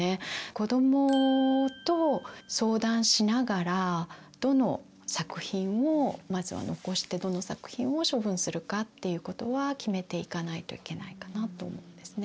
子どもと相談しながらどの作品をまずは残してどの作品を処分するかっていうことは決めていかないといけないかなと思うんですね。